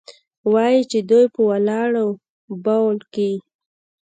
وايي چې دوى په ولاړو بول كيې؟